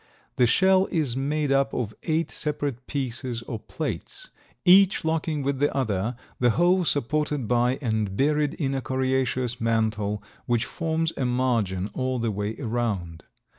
The shell is made up of eight separate pieces or plates, each locking with the other, the whole supported by and buried in a coriaceous mantle which forms a margin all the way around.